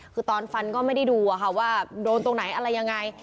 คือตอนฟันก็ไม่ได้ดูว่าโดนตรงไหนอะไรยังไง